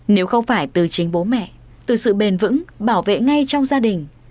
nếu không phải từ chính bố mẹ từ sự bền vững bảo vệ ngay trong gia đình